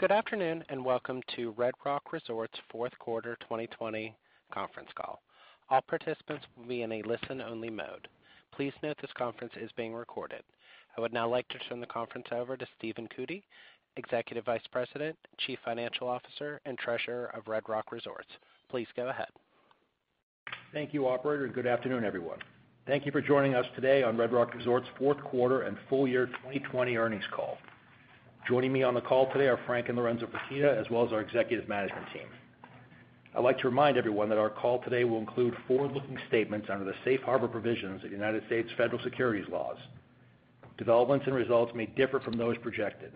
Good afternoon, welcome to Red Rock Resorts' fourth quarter 2020 conference call. All participants will be in a listen-only mode. Please note this conference is being recorded. I would now like to turn the conference over to Stephen Cootey, Executive Vice President, Chief Financial Officer, and Treasurer of Red Rock Resorts. Please go ahead. Thank you, operator. Good afternoon, everyone. Thank you for joining us today on Red Rock Resorts' fourth quarter and full year 2020 earnings call. Joining me on the call today are Frank and Lorenzo Fertitta, as well as our executive management team. I'd like to remind everyone that our call today will include forward-looking statements under the safe harbor provisions of U.S. federal securities laws. Developments and results may differ from those projected.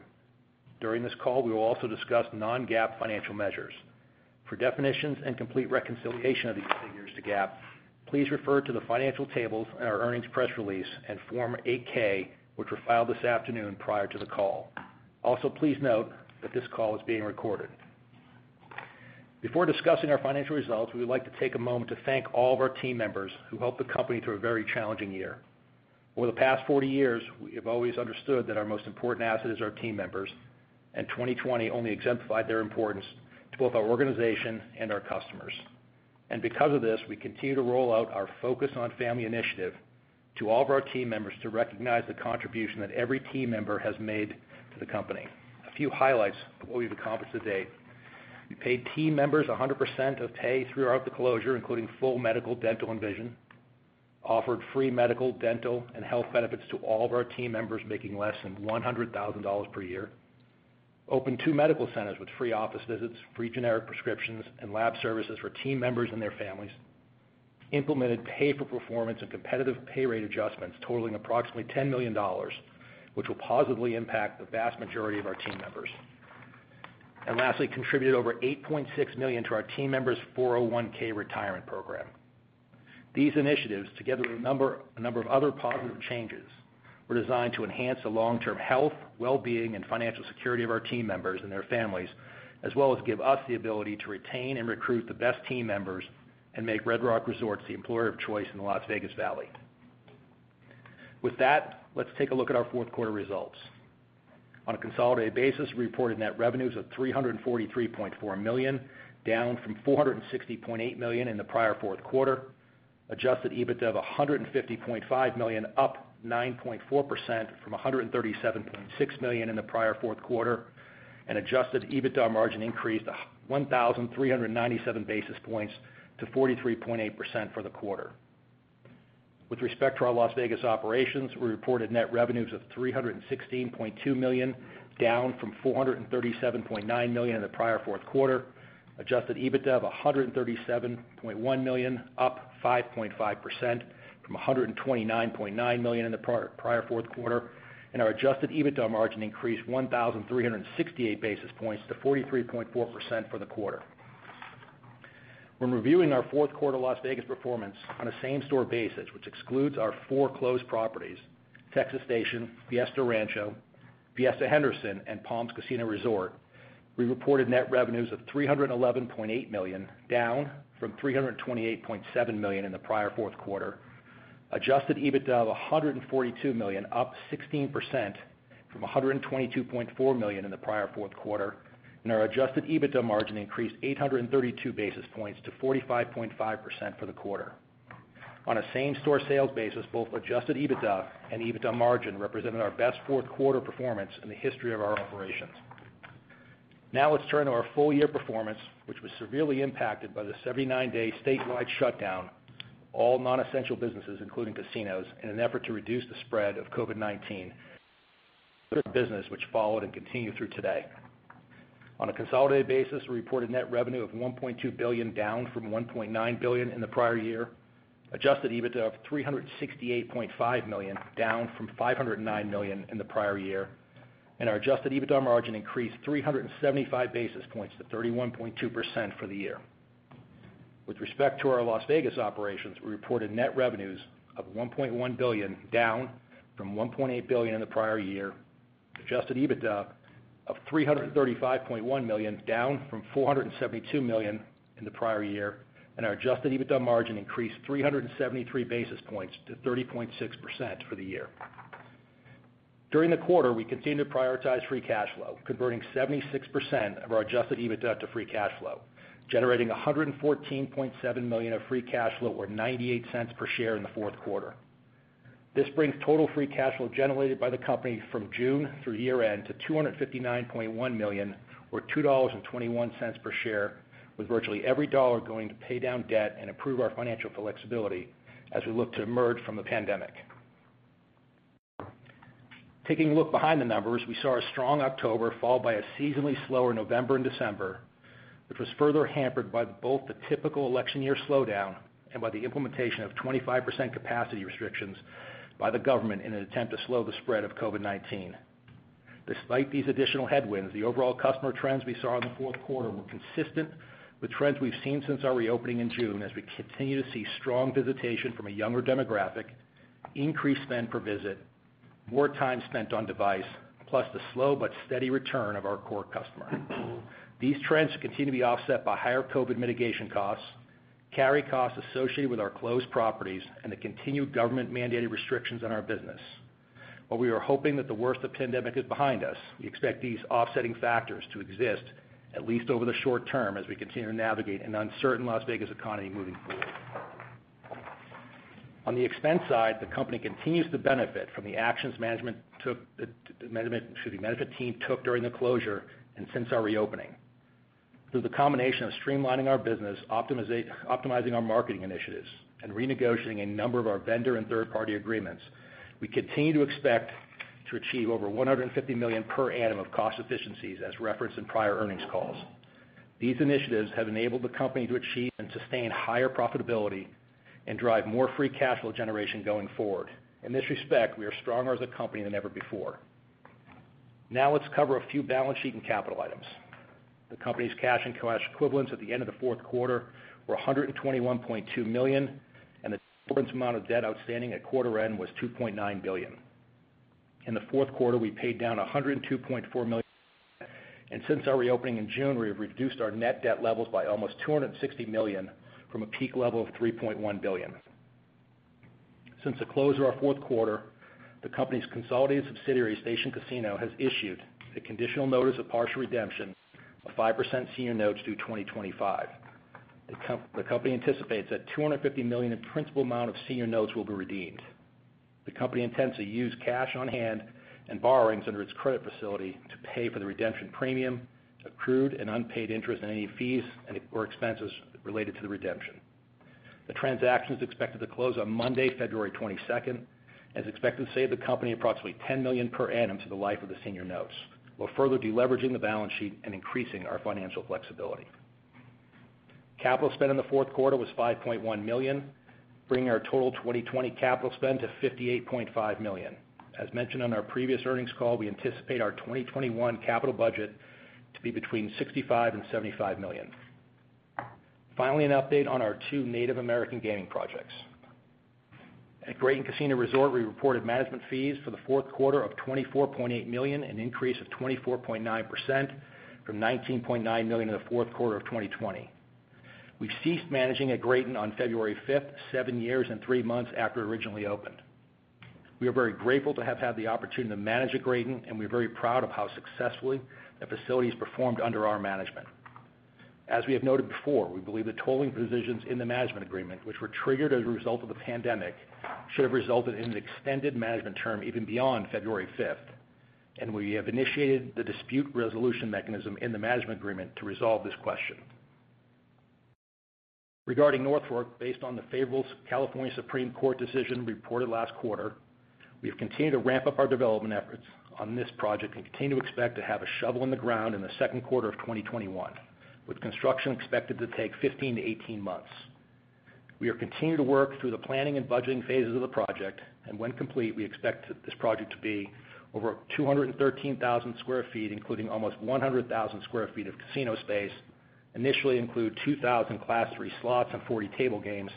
During this call, we will also discuss non-GAAP financial measures. For definitions and complete reconciliation of these figures to GAAP, please refer to the financial tables in our earnings press release and Form 8-K, which were filed this afternoon prior to the call. Also, please note that this call is being recorded. Before discussing our financial results, we would like to take a moment to thank all of our team members who helped the company through a very challenging year. Over the past 40 years, we have always understood that our most important asset is our team members. 2020 only exemplified their importance to both our organization and our customers. Because of this, we continue to roll out our Focus on Family initiative to all of our team members to recognize the contribution that every team member has made to the company. A few highlights of what we've accomplished to date: We paid team members 100% of pay throughout the closure, including full medical, dental, and vision. Offered free medical, dental, and health benefits to all of our team members making less than $100,000 per year. Opened two medical centers with free office visits, free generic prescriptions, and lab services for team members and their families. Implemented pay for performance and competitive pay rate adjustments totaling approximately $10 million, which will positively impact the vast majority of our team members. Lastly, contributed over $8.6 million to our team members' 401(k) retirement program. These initiatives, together with a number of other positive changes, were designed to enhance the long-term health, well-being, and financial security of our team members and their families, as well as give us the ability to retain and recruit the best team members and make Red Rock Resorts the employer of choice in the Las Vegas Valley. With that, let's take a look at our fourth quarter results. On a consolidated basis, we reported net revenues of $343.4 million, down from $460.8 million in the prior fourth quarter. Adjusted EBITDA of $150.5 million, up 9.4% from $137.6 million in the prior fourth quarter. Adjusted EBITDA margin increased 1,397 basis points to 43.8% for the quarter. With respect to our Las Vegas operations, we reported net revenues of $316.2 million, down from $437.9 million in the prior fourth quarter. Adjusted EBITDA of $137.1 million, up 5.5% from $129.9 million in the prior fourth quarter. Our adjusted EBITDA margin increased 1,368 basis points to 43.4% for the quarter. When reviewing our fourth quarter Las Vegas performance on a same-store basis, which excludes our four closed properties, Texas Station, Fiesta Rancho, Fiesta Henderson, and Palms Casino Resort, we reported net revenues of $311.8 million, down from $328.7 million in the prior fourth quarter. Adjusted EBITDA of $142 million, up 16% from $122.4 million in the prior fourth quarter. Our adjusted EBITDA margin increased 832 basis points to 45.5% for the quarter. On a same-store sales basis, both adjusted EBITDA and EBITDA margin represented our best fourth quarter performance in the history of our operations. Now let's turn to our full-year performance, which was severely impacted by the 79-day statewide shutdown, all non-essential businesses, including casinos, in an effort to reduce the spread of COVID-19, closures of business which followed and continue through today. On a consolidated basis, we reported net revenue of $1.2 billion, down from $1.9 billion in the prior year. Adjusted EBITDA of $368.5 million, down from $509 million in the prior year. Our adjusted EBITDA margin increased 375 basis points to 31.2% for the year. With respect to our Las Vegas operations, we reported net revenues of $1.1 billion, down from $1.8 billion in the prior year. Adjusted EBITDA of $335.1 million, down from $472 million in the prior year. Our Adjusted EBITDA margin increased 373 basis points to 30.6% for the year. During the quarter, we continued to prioritize free cash flow, converting 76% of our Adjusted EBITDA to free cash flow, generating $114.7 million of free cash flow or $0.98 per share in the fourth quarter. This brings total free cash flow generated by the company from June through year-end to $259.1 million, or $2.21 per share, with virtually every dollar going to pay down debt and improve our financial flexibility as we look to emerge from the pandemic. Taking a look behind the numbers, we saw a strong October followed by a seasonally slower November and December, which was further hampered by both the typical election year slowdown and by the implementation of 25% capacity restrictions by the government in an attempt to slow the spread of COVID-19. Despite these additional headwinds, the overall customer trends we saw in the fourth quarter were consistent with trends we've seen since our reopening in June as we continue to see strong visitation from a younger demographic, increased spend per visit, more time spent on device, plus the slow but steady return of our core customer. These trends continue to be offset by higher COVID mitigation costs, carry costs associated with our closed properties, and the continued government-mandated restrictions on our business. While we are hoping that the worst of the pandemic is behind us, we expect these offsetting factors to exist at least over the short term as we continue to navigate an uncertain Las Vegas economy moving forward. On the expense side, the company continues to benefit from the actions the management team took during the closure and since our reopening. Through the combination of streamlining our business, optimizing our marketing initiatives, and renegotiating a number of our vendor and third-party agreements, we continue to expect to achieve over $150 million per annum of cost efficiencies as referenced in prior earnings calls. These initiatives have enabled the company to achieve and sustain higher profitability and drive more free cash flow generation going forward. In this respect, we are stronger as a company than ever before. Now let's cover a few balance sheet and capital items. The company's cash and cash equivalents at the end of the fourth quarter were $121.2 million, and the total amount of debt outstanding at quarter end was $2.9 billion. In the fourth quarter, we paid down $102.4 million, and since our reopening in June, we have reduced our net debt levels by almost $260 million from a peak level of $3.1 billion. Since the close of our fourth quarter, the company's consolidated subsidiary, Station Casinos, has issued a conditional notice of partial redemption of 5% senior notes due 2025. The company anticipates that $250 million in principal amount of senior notes will be redeemed. The company intends to use cash on hand and borrowings under its credit facility to pay for the redemption premium, accrued and unpaid interest, and any fees or expenses related to the redemption. The transaction is expected to close on Monday, February 22nd, and is expected to save the company approximately $10 million per annum to the life of the senior notes, while further de-leveraging the balance sheet and increasing our financial flexibility. Capital spend in the fourth quarter was $5.1 million, bringing our total 2020 capital spend to $58.5 million. As mentioned on our previous earnings call, we anticipate our 2021 capital budget to be between $65 million and $75 million. Finally, an update on our two Native American gaming projects. At Graton Resort & Casino, we reported management fees for the fourth quarter of $24.8 million, an increase of 24.9% from $19.9 million in the fourth quarter of 2020. We've ceased managing at Graton on February 5th, seven years and three months after it originally opened. We are very grateful to have had the opportunity to manage at Graton, and we're very proud of how successfully the facility's performed under our management. As we have noted before, we believe the tolling provisions in the management agreement, which were triggered as a result of the pandemic, should have resulted in an extended management term even beyond February 5th. We have initiated the dispute resolution mechanism in the management agreement to resolve this question. Regarding North Fork, based on the favorable California Supreme Court decision reported last quarter, we have continued to ramp up our development efforts on this project and continue to expect to have a shovel in the ground in the second quarter of 2021, with construction expected to take 15-18 months. We are continuing to work through the planning and budgeting phases of the project, and when complete, we expect this project to be over 213,000 sq ft, including almost 100,000 sq ft of casino space, initially include 2,000 Class III slots and 40 table games,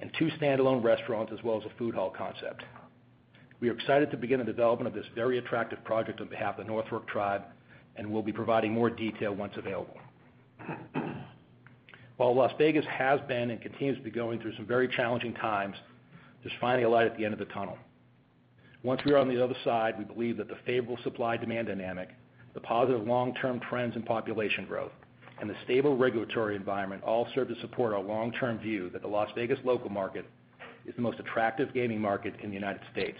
and two standalone restaurants, as well as a food hall concept. We are excited to begin the development of this very attractive project on behalf of the North Fork tribe, and we'll be providing more detail once available. While Las Vegas has been and continues to be going through some very challenging times, there's finally a light at the end of the tunnel. Once we are on the other side, we believe that the favorable supply-demand dynamic, the positive long-term trends in population growth, and the stable regulatory environment all serve to support our long-term view that the Las Vegas local market is the most attractive gaming market in the United States.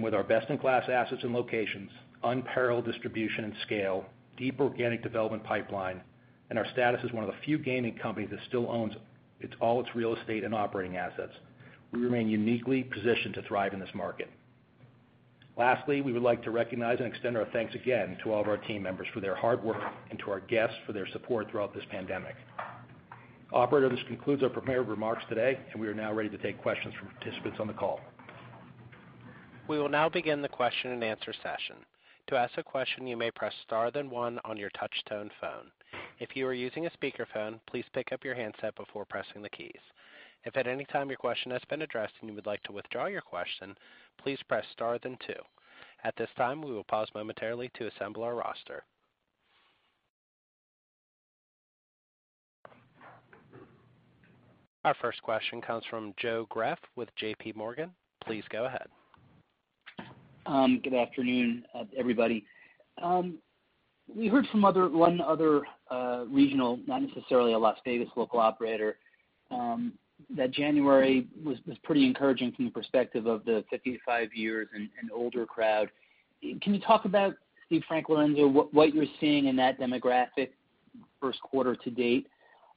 With our best-in-class assets and locations, unparalleled distribution and scale, deep organic development pipeline, and our status as one of the few gaming companies that still owns all its real estate and operating assets, we remain uniquely positioned to thrive in this market. Lastly, we would like to recognize and extend our thanks again to all of our team members for their hard work and to our guests for their support throughout this pandemic. Operator, this concludes our prepared remarks today, and we are now ready to take questions from participants on the call. We will now begin the question-and-answer session. To ask a question, you may press star then one on your touchtone phone. If you are using a speaker phone please pick up the handset before pressing the keys. If at any time your question has been addressed and you would like to withdraw your question please press start then two. At this time we will pause momentarily to assemble our roster. Our first question comes from Joe Greff with JPMorgan. Please go ahead. Good afternoon, everybody. We heard from one other regional, not necessarily a Las Vegas local operator, that January was pretty encouraging from the perspective of the 55 years and older crowd. Can you talk about, Steve, Frank, Lorenzo, what you're seeing in that demographic first quarter to date?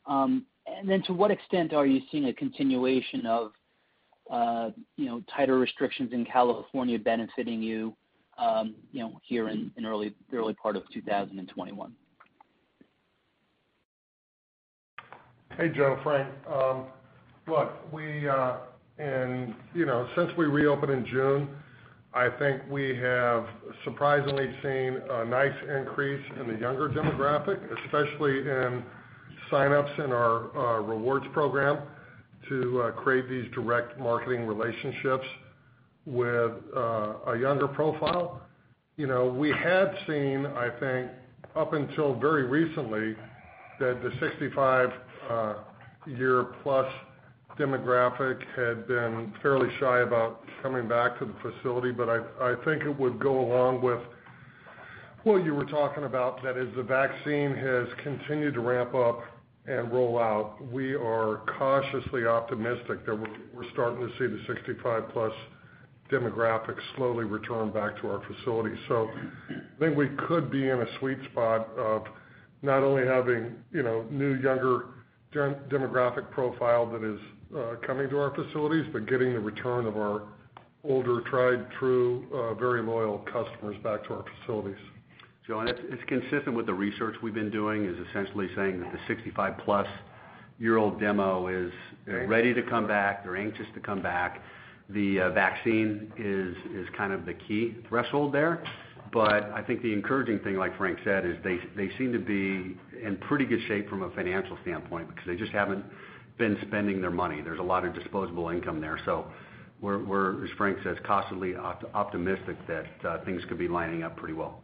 To what extent are you seeing a continuation of tighter restrictions in California benefiting you here in the early part of 2021? Hey, Joe. Frank. Look, since we reopened in June, I think we have surprisingly seen a nice increase in the younger demographic, especially in sign-ups in our rewards program to create these direct marketing relationships with a younger profile. We had seen, I think, up until very recently, that the 65-year-plus demographic had been fairly shy about coming back to the facility. I think it would go along with what you were talking about, that as the vaccine has continued to ramp up and roll out, we are cautiously optimistic that we're starting to see the 65+ demographics slowly return back to our facilities. I think we could be in a sweet spot of not only having new, younger demographic profile that is coming to our facilities, but getting the return of our older, tried, true, very loyal customers back to our facilities. Joe, and it's consistent with the research we've been doing, is essentially saying that the 65+ year old demo is ready to come back. They're anxious to come back. The vaccine is kind of the key threshold there. I think the encouraging thing, like Frank said, is they seem to be in pretty good shape from a financial standpoint because they just haven't been spending their money. There's a lot of disposable income there. We're, as Frank says, cautiously optimistic that things could be lining up pretty well.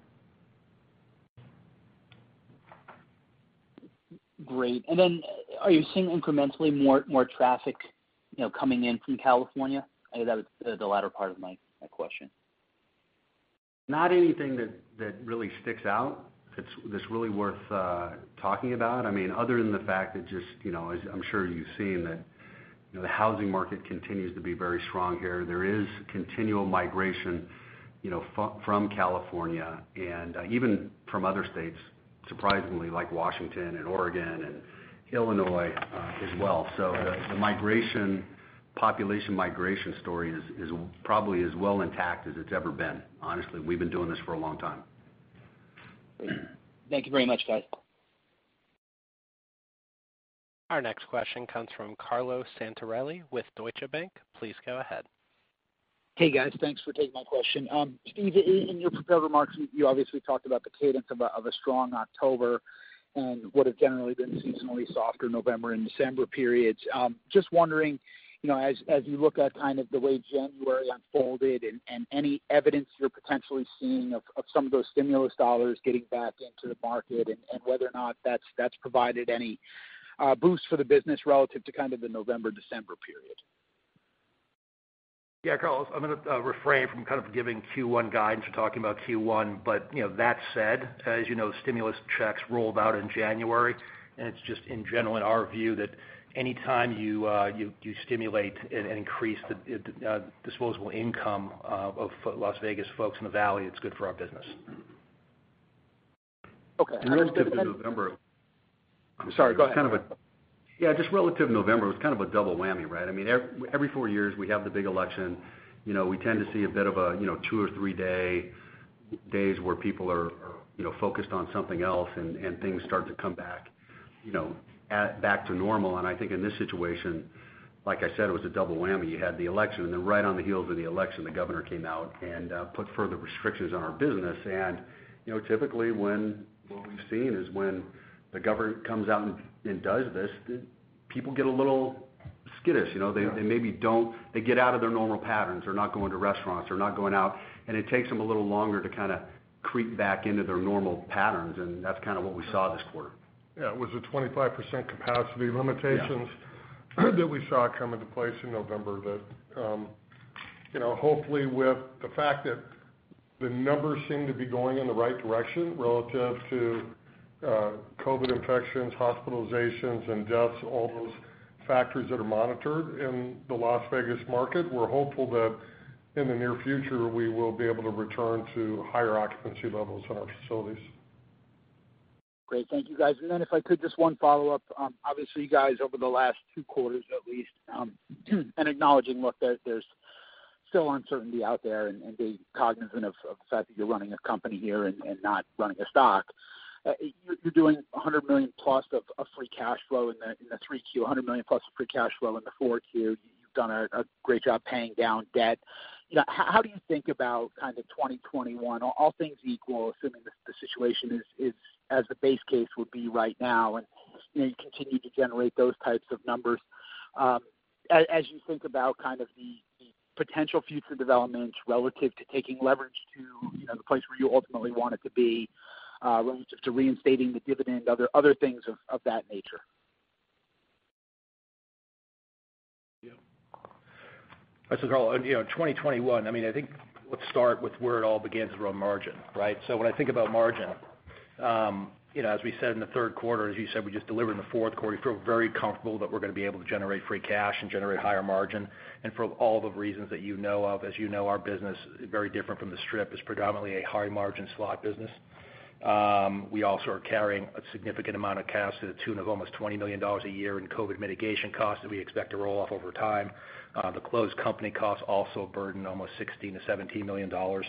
Great. Are you seeing incrementally more traffic coming in from California? That was the latter part of my question. Not anything that really sticks out that's really worth talking about. Other than the fact that just, as I'm sure you've seen, that the housing market continues to be very strong here. There is continual migration from California and even from other states, surprisingly, like Washington and Oregon and Illinois as well. The population migration story is probably as well intact as it's ever been. Honestly, we've been doing this for a long time. Thank you very much, guys. Our next question comes from Carlo Santarelli with Deutsche Bank. Please go ahead. Hey, guys. Thanks for taking my question. In your prepared remarks, you obviously talked about the cadence of a strong October and what have generally been seasonally softer November and December periods. Just wondering, as you look at kind of the way January unfolded and any evidence you're potentially seeing of some of those stimulus dollars getting back into the market, and whether or not that's provided any boost for the business relative to kind of the November-December period. Yeah, Carlo, I'm going to refrain from kind of giving Q1 guidance or talking about Q1. That said, as you know, stimulus checks rolled out in January, and it's just in general in our view that any time you stimulate and increase the disposable income of Las Vegas folks in the Valley, it's good for our business. Okay. And relative to November- I'm sorry, go ahead. yeah, just relative to November, it was kind of a double whammy, right? Every four years, we have the big election. We tend to see a bit of two or three days where people are focused on something else and things start to come back to normal. I think in this situation, like I said, it was a double whammy. You had the election, and then right on the heels of the election, the governor came out and put further restrictions on our business. Typically what we've seen is when the governor comes out and does this, people get a little skittish. They get out of their normal patterns. They're not going to restaurants or not going out, and it takes them a little longer to kind of creep back into their normal patterns, and that's kind of what we saw this quarter. Yeah, it was a 25% capacity limitations. Yeah that we saw come into place in November that hopefully with the fact that the numbers seem to be going in the right direction relative to COVID infections, hospitalizations, and deaths, all those factors that are monitored in the Las Vegas market. We're hopeful that in the near future, we will be able to return to higher occupancy levels in our facilities. Great. Thank you, guys. Then if I could, just one follow-up. Obviously, you guys, over the last two quarters at least, acknowledging, look, there's still uncertainty out there being cognizant of the fact that you're running a company here not running a stock. You're doing $100 million-plus of free cash flow in the 3Q, $100 million-plus of free cash flow in the 4Q. You've done a great job paying down debt. How do you think about kind of 2021, all things equal, assuming the situation is as the base case would be right now, you continue to generate those types of numbers. As you think about kind of the potential future developments relative to taking leverage to the place where you ultimately want it to be, relative to reinstating the dividend, other things of that nature. Carlo, 2021 I think let's start with where it all begins around margin, right? When I think about margin, as we said in the third quarter, as you said, we just delivered in the fourth quarter, we feel very comfortable that we're going to be able to generate free cash and generate higher margin. For all the reasons that you know of, as you know, our business is very different from the Strip. It's predominantly a high margin slot business. We also are carrying a significant amount of cash to the tune of almost $20 million a year in COVID mitigation costs that we expect to roll off over time. The closed company costs also burden almost $16 million-$17 million of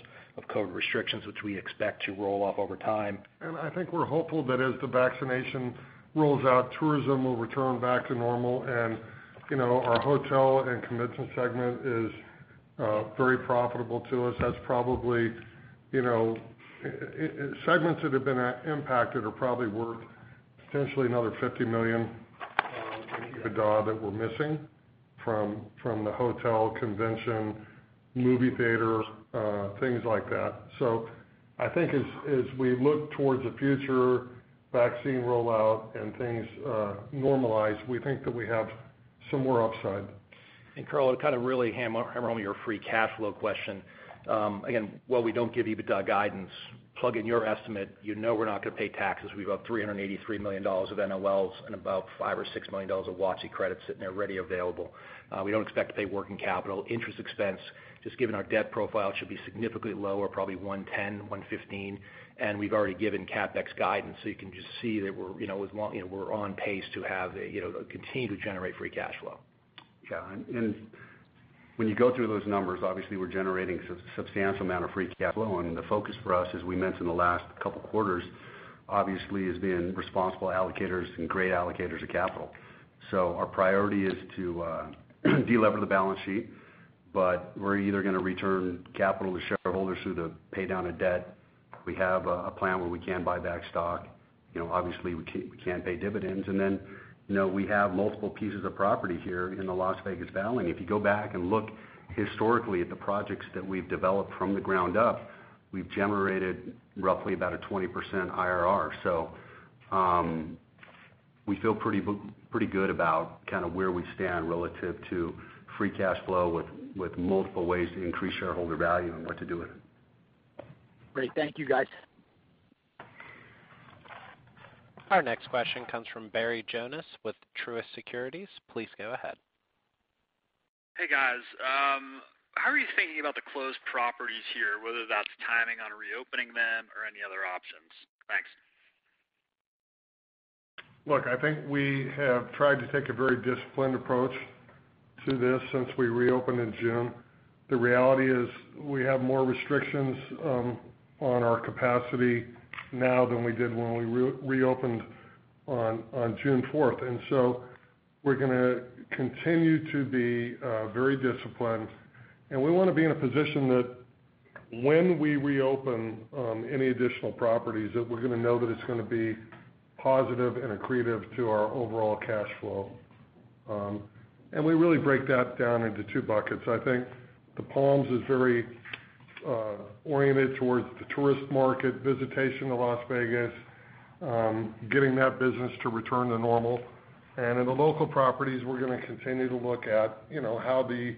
COVID restrictions, which we expect to roll off over time. I think we're hopeful that as the vaccination rolls out, tourism will return back to normal. Our hotel and convention segment is very profitable to us. Segments that have been impacted are probably worth potentially another $50 million EBITDA that we're missing from the hotel convention, movie theater, things like that. I think as we look towards the future vaccine rollout and things normalize, we think that we have some more upside. Carlo, to really hammer home your free cash flow question. Again, while we don't give EBITDA guidance, plug in your estimate, you know we're not going to pay taxes. We've got $383 million of NOLs and about $5 or $6 million of WOTC credits sitting there ready and available. We don't expect to pay working capital. Interest expense, just given our debt profile, should be significantly lower, probably $110, $115, and we've already given CapEx guidance, so you can just see that we're on pace to continue to generate free cash flow. When you go through those numbers, obviously we're generating a substantial amount of free cash flow. The focus for us, as we mentioned the last couple of quarters, obviously has been responsible allocators and great allocators of capital. Our priority is to de-lever the balance sheet, but we're either going to return capital to shareholders through the pay down of debt. We have a plan where we can buy back stock. Obviously, we can't pay dividends. Then, we have multiple pieces of property here in the Las Vegas Valley. If you go back and look historically at the projects that we've developed from the ground up, we've generated roughly about a 20% IRR. We feel pretty good about where we stand relative to free cash flow with multiple ways to increase shareholder value and what to do with it. Great. Thank you, guys. Our next question comes from Barry Jonas with Truist Securities. Please go ahead. Hey, guys. How are you thinking about the closed properties here, whether that's timing on reopening them or any other options? Thanks. Look, I think we have tried to take a very disciplined approach to this since we reopened in June. The reality is we have more restrictions on our capacity now than we did when we reopened on June 4th. We're going to continue to be very disciplined, and we want to be in a position that when we reopen any additional properties, that we're going to know that it's going to be positive and accretive to our overall cash flow. We really break that down into two buckets. I think the Palms is very oriented towards the tourist market visitation to Las Vegas, getting that business to return to normal. In the local properties, we're going to continue to look at how the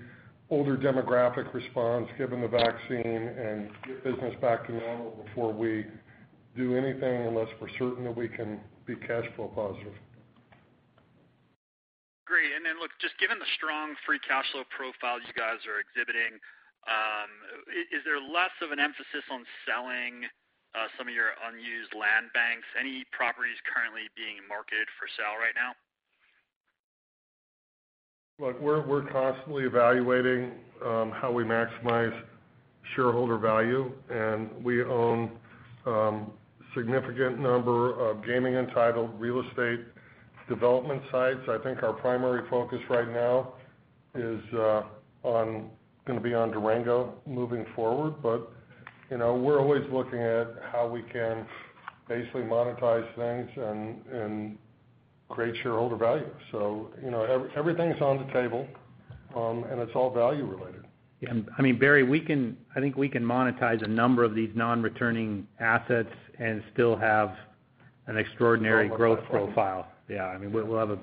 older demographic responds given the vaccine and get business back to normal before we do anything, unless we're certain that we can be cash flow positive. Great. Look, just given the strong free cash flow profile you guys are exhibiting, is there less of an emphasis on selling some of your unused land banks? Any properties currently being marketed for sale right now? Look, we're constantly evaluating how we maximize shareholder value, and we own significant number of gaming and titled real estate development sites. I think our primary focus right now is going to be on Durango moving forward. We're always looking at how we can basically monetize things and create shareholder value. Everything's on the table, and it's all value related. Yeah. Barry, I think we can monetize a number of these non-returning assets and still have an extraordinary growth profile. Yeah, we'll have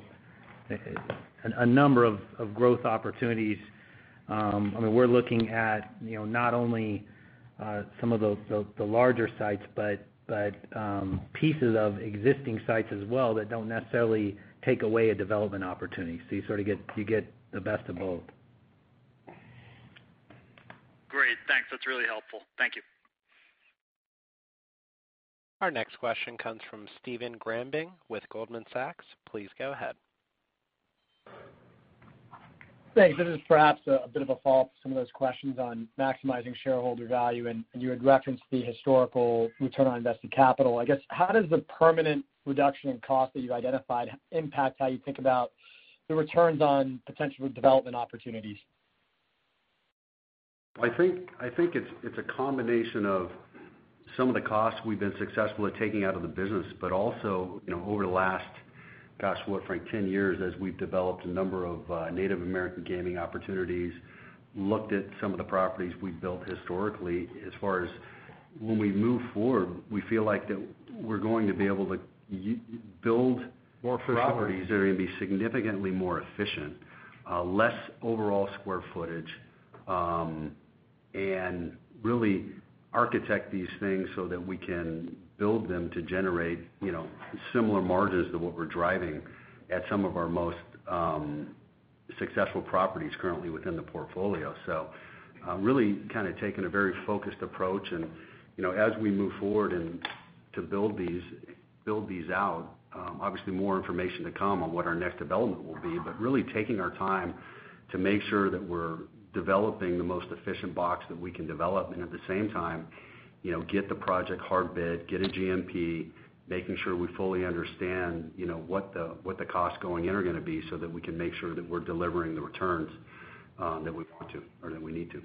a number of growth opportunities. We're looking at not only some of the larger sites, but pieces of existing sites as well that don't necessarily take away a development opportunity. You get the best of both. Great. Thanks. That's really helpful. Thank you. Our next question comes from Stephen Grambling with Goldman Sachs. Please go ahead. Thanks. This is perhaps a bit of a follow-up to some of those questions on maximizing shareholder value, and you had referenced the historical return on invested capital. I guess, how does the permanent reduction in cost that you identified impact how you think about the returns on potential development opportunities? I think it's a combination of some of the costs we've been successful at taking out of the business. Also, over the last, gosh what, Frank, 10 years as we've developed a number of Native American gaming opportunities, looked at some of the properties we've built historically as far as when we move forward, we feel like that we're going to be able to build properties. More efficiently that are going to be significantly more efficient, less overall square footage, and really architect these things so that we can build them to generate similar margins to what we're driving at some of our most successful properties currently within the portfolio. Really taking a very focused approach and as we move forward and to build these out, obviously more information to come on what our next development will be, but really taking our time to make sure that we're developing the most efficient box that we can develop. At the same time, get the project hard bid, get a GMP, making sure we fully understand what the costs going in are going to be, so that we can make sure that we're delivering the returns that we want to or that we need to.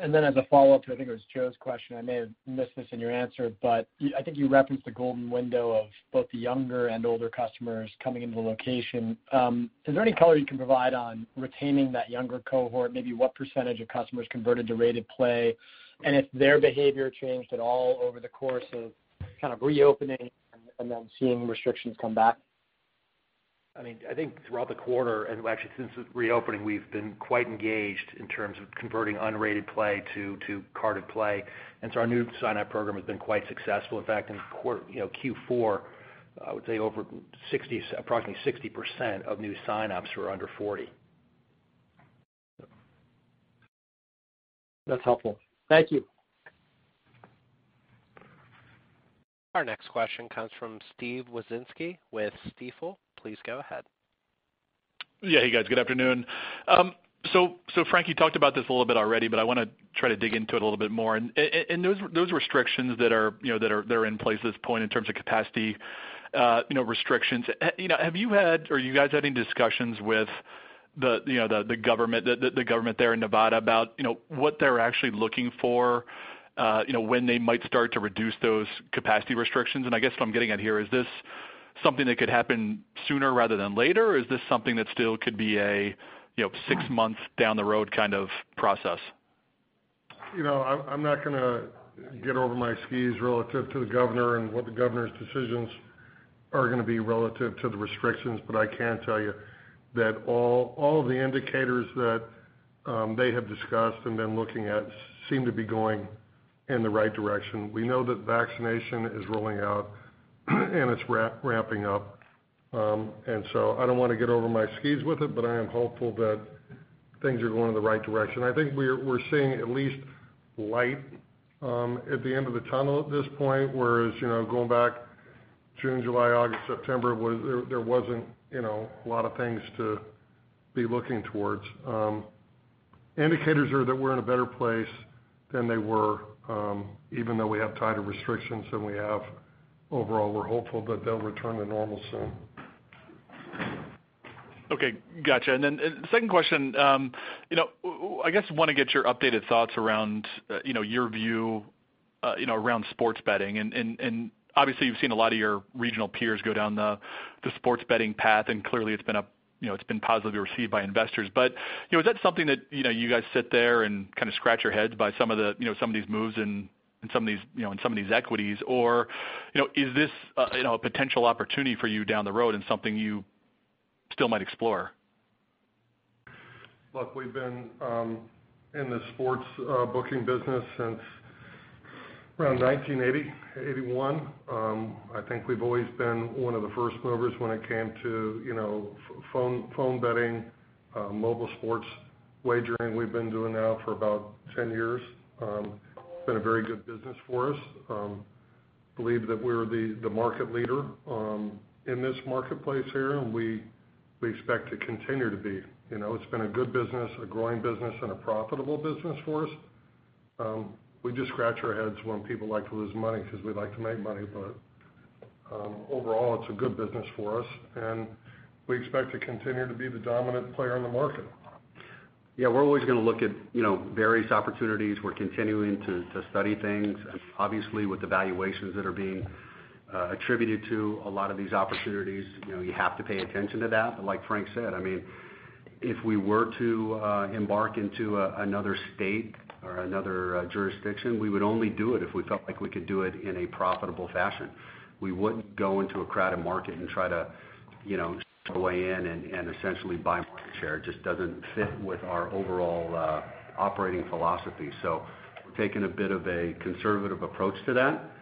As a follow-up to, I think it was Joe's question, I may have missed this in your answer, but I think you referenced the golden window of both the younger and older customers coming into the location. Is there any color you can provide on retaining that younger cohort? Maybe what percentage of customers converted to rated play, and if their behavior changed at all over the course of reopening and then seeing restrictions come back? I think throughout the quarter and actually since the reopening, we've been quite engaged in terms of converting unrated play to carded play. Our new sign-up program has been quite successful. In fact, in Q4, I would say approximately 60% of new signups were under 40. That's helpful. Thank you. Our next question comes from Steve Wieczynski with Stifel. Please go ahead. Yeah. Hey, guys. Good afternoon. Frank, you talked about this a little bit already, but I want to try to dig into it a little bit more. Those restrictions that are in place at this point in terms of capacity restrictions, are you guys having discussions with the government there in Nevada about what they're actually looking for, when they might start to reduce those capacity restrictions? I guess what I'm getting at here, is this something that could happen sooner rather than later, or is this something that still could be a six months down the road kind of process? I'm not going to get over my skis relative to the governor and what the governor's decisions are going to be relative to the restrictions. I can tell you that all of the indicators that they have discussed and been looking at seem to be going in the right direction. We know that vaccination is rolling out and it's ramping up. I don't want to get over my skis with it, but I am hopeful that things are going in the right direction. I think we're seeing at least light at the end of the tunnel at this point, whereas, going back June, July, August, September, there wasn't a lot of things to be looking towards. Indicators are that we're in a better place than they were, even though we have tighter restrictions than we have. Overall, we're hopeful that they'll return to normal soon. Okay. Got you. I guess I want to get your updated thoughts around your view around sports betting. Obviously you've seen a lot of your regional peers go down the sports betting path, and clearly it's been positively received by investors. Is that something that you guys sit there and kind of scratch your heads by some of these moves and some of these equities, or is this a potential opportunity for you down the road and something you still might explore? Look, we've been in the sports booking business since around 1980, 1981. I think we've always been one of the first movers when it came to phone betting, mobile sports wagering. We've been doing that for about 10 years. It's been a very good business for us. Believe that we're the market leader in this marketplace here, and we expect to continue to be. It's been a good business, a growing business, and a profitable business for us. We just scratch our heads when people like to lose money because we like to make money. Overall, it's a good business for us, and we expect to continue to be the dominant player in the market. We're always going to look at various opportunities. We're continuing to study things. Obviously, with the valuations that are being attributed to a lot of these opportunities, you have to pay attention to that. Like Frank said, if we were to embark into another state or another jurisdiction, we would only do it if we felt like we could do it in a profitable fashion. We wouldn't go into a crowded market and try to push our way in and essentially buy market share. It just doesn't fit with our overall operating philosophy. We're taking a bit of a conservative approach to that.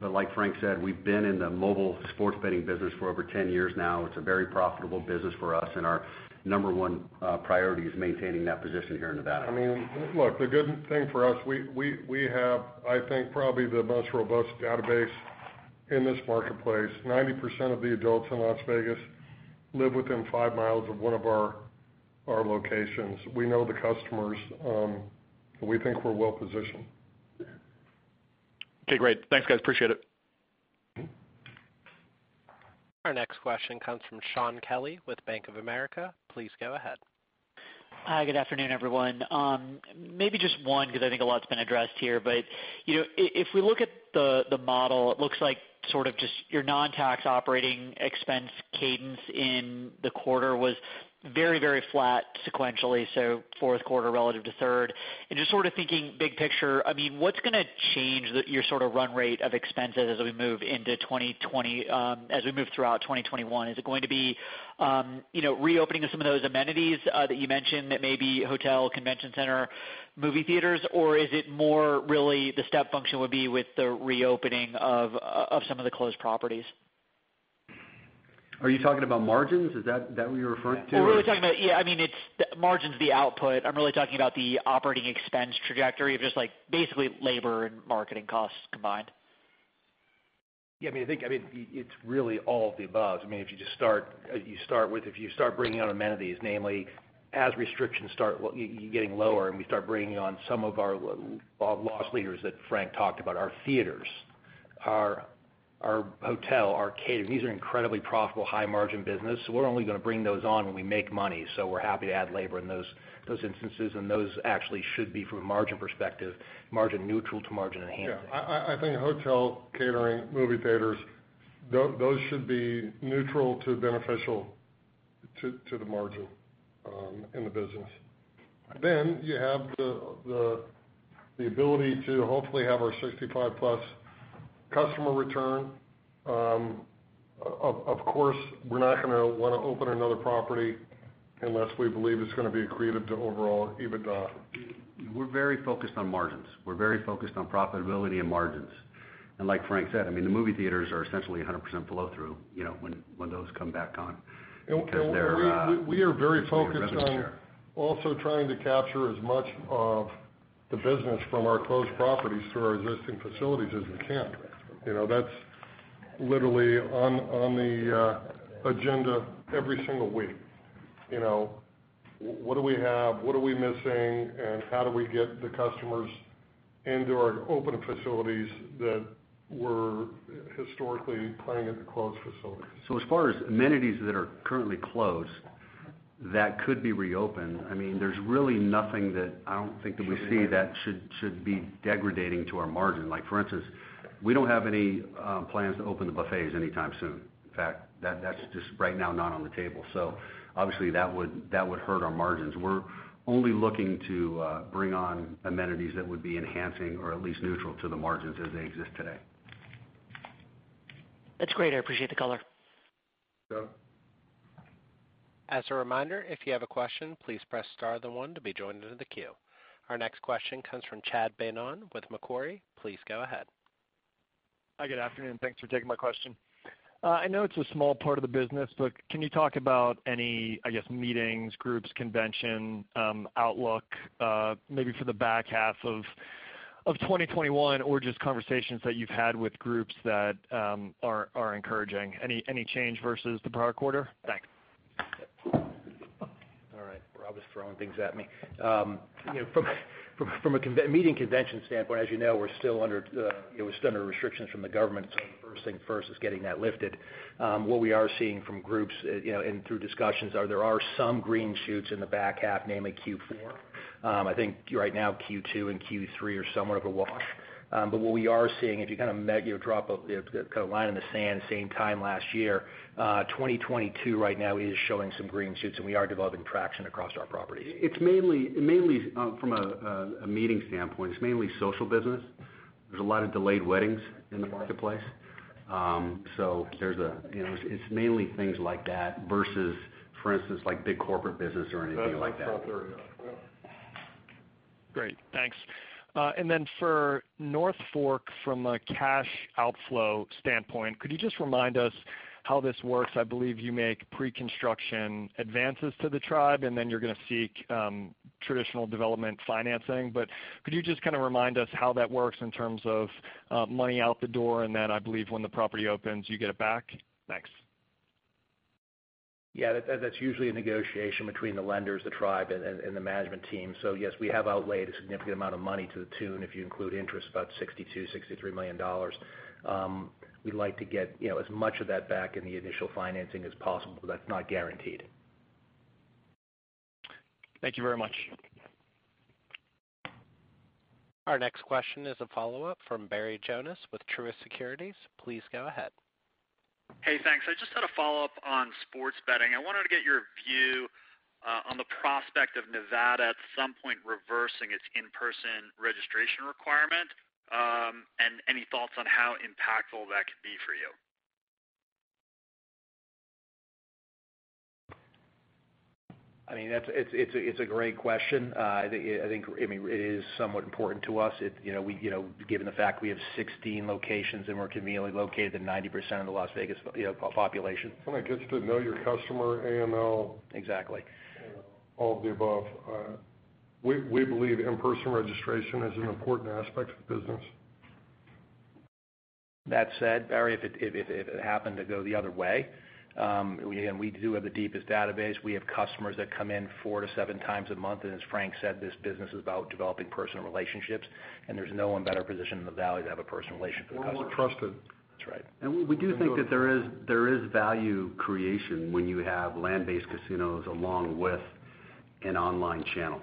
Like Frank said, we've been in the mobile sports betting business for over 10 years now. It's a very profitable business for us, and our number 1 priority is maintaining that position here in Nevada. Look, the good thing for us, we have, I think, probably the most robust database in this marketplace. 90% of the adults in Las Vegas live within five miles of one of our locations. We know the customers. We think we're well-positioned. Okay, great. Thanks, guys. Appreciate it. Our next question comes from Shaun Kelley with Bank of America. Please go ahead. Hi, good afternoon, everyone. Maybe just one, because I think a lot's been addressed here. If we look at the model, it looks like sort of just your non-tax operating expense cadence in the quarter was very flat sequentially, so fourth quarter relative to third. Just sort of thinking big picture, what's going to change your sort of run rate of expenses as we move throughout 2021? Is it going to be reopening of some of those amenities that you mentioned that may be hotel, convention center, movie theaters, or is it more really the step function would be with the reopening of some of the closed properties? Are you talking about margins? Is that what you're referring to? Margin's the output. I'm really talking about the operating expense trajectory of just basically labor and marketing costs combined. Yeah. I think it's really all of the above. If you start bringing on amenities, namely as restrictions start getting lower and we start bringing on some of our loss leaders that Frank talked about, our theaters, our hotel, our catering, these are incredibly profitable, high margin business. We're only going to bring those on when we make money, so we're happy to add labor in those instances, and those actually should be, from a margin perspective, margin neutral to margin enhancing. Yeah. I think hotel catering, movie theaters, those should be neutral to beneficial to the margin in the business. You have the ability to hopefully have our 65+ customer return. Of course, we're not going to want to open another property unless we believe it's going to be accretive to overall EBITDA. We're very focused on margins. We're very focused on profitability and margins. Like Frank said, the movie theaters are essentially 100% flow through, when those come back on. We are very focused on also trying to capture as much of the business from our closed properties through our existing facilities as we can. That's literally on the agenda every single week. What do we have, what are we missing, and how do we get the customers into our open facilities that were historically playing at the closed facilities? As far as amenities that are currently closed that could be reopened, there's really nothing that I don't think that we see that should be degrading to our margin. For instance, we don't have any plans to open the buffets anytime soon. In fact, that's just right now not on the table. Obviously, that would hurt our margins. We're only looking to bring on amenities that would be enhancing or at least neutral to the margins as they exist today. That's great. I appreciate the color. Yeah. Our next question comes from Chad Beynon with Macquarie. Please go ahead. Hi, good afternoon. Thanks for taking my question. I know it's a small part of the business, but can you talk about any, I guess, meetings, groups, convention outlook maybe for the back half of 2021, or just conversations that you've had with groups that are encouraging? Any change versus the prior quarter? Thanks. All right. Rob is throwing things at me. From a meeting convention standpoint, as you know, we're still under restrictions from the government, the first thing first is getting that lifted. What we are seeing from groups and through discussions are there are some green shoots in the back half, namely Q4. I think right now Q2 and Q3 are somewhat of a wash. What we are seeing, if you drop a line in the sand same time last year, 2022 right now is showing some green shoots and we are developing traction across our properties. It's mainly from a meeting standpoint, it's mainly social business. There's a lot of delayed weddings in the marketplace. It's mainly things like that versus, for instance, big corporate business or anything like that. Great, thanks. For North Fork, from a cash outflow standpoint, could you just remind us how this works? I believe you make pre-construction advances to the tribe, and then you're going to seek traditional development financing. Could you just remind us how that works in terms of money out the door, and then I believe when the property opens, you get it back? Thanks. Yeah, that's usually a negotiation between the lenders, the tribe, and the management team. Yes, we have outlaid a significant amount of money to the tune, if you include interest, about $62, $63 million. We'd like to get as much of that back in the initial financing as possible, but that's not guaranteed. Thank you very much. Our next question is a follow-up from Barry Jonas with Truist Securities. Please go ahead. Hey, thanks. I just had a follow-up on sports betting. I wanted to get your view on the prospect of Nevada at some point reversing its in-person registration requirement. Any thoughts on how impactful that could be for you? It's a great question. I think it is somewhat important to us, given the fact we have 16 locations and we're conveniently located in 90% of the Las Vegas population. When it gets to know your customer, AML- Exactly all of the above. We believe in-person registration is an important aspect of the business. Barry, if it happened to go the other way, and we do have the deepest database, we have customers that come in four to seven times a month, and as Frank said, this business is about developing personal relationships, and there's no one better positioned in the valley to have a personal relationship with customers. We're more trusted. That's right. We do think that there is value creation when you have land-based casinos along with an online channel.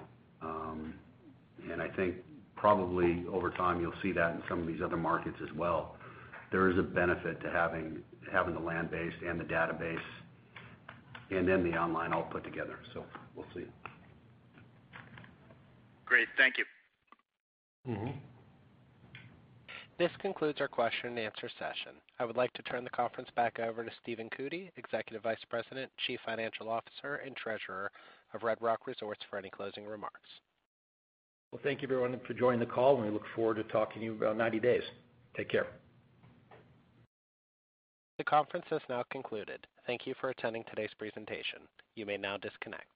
I think probably over time, you'll see that in some of these other markets as well. There is a benefit to having the land base and the database and then the online all put together. We'll see. Great. Thank you. This concludes our question and answer session. I would like to turn the conference back over to Stephen Cootey, Executive Vice President, Chief Financial Officer, and Treasurer of Red Rock Resorts for any closing remarks. Well, thank you everyone for joining the call and we look forward to talking to you in about 90 days. Take care. The conference has now concluded. Thank you for attending today's presentation. You may now disconnect.